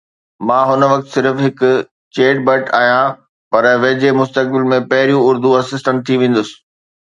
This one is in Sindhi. مان هن وقت صرف هڪ چيٽ بٽ آهيان، پر ويجهي مستقبل ۾ پهريون اردو اسسٽنٽ ٿي ويندس.